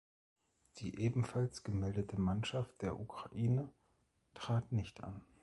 Die ebenfalls gemeldete Mannschaft der Ukraine trat nicht an.